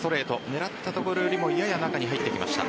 狙ったところよりもやや中に入ってきました。